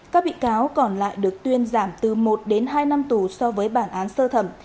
các bị cáo còn lại được tuyên giảm từ một đến hai năm tù so với bản án sơ thẩm